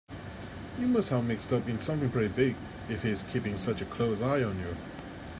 You must be mixed up in something pretty big if he's keeping such a close eye on you.